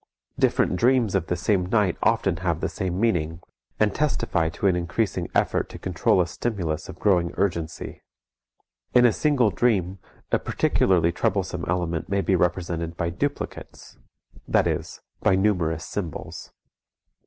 Different dreams of the same night often have the same meaning, and testify to an increasing effort to control a stimulus of growing urgency. In a single dream a particularly troublesome element may be represented by "duplicates," that is, by numerous symbols.